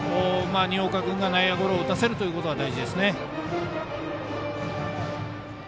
新岡君が内野ゴロを打たせるというのが大事ですね。